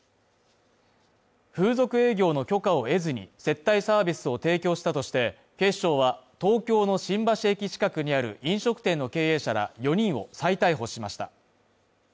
風俗営業の許可を得ずに接待サービスを提供したとして、警視庁は、東京の新橋駅近くにある飲食店の経営者ら４人を再逮捕しました。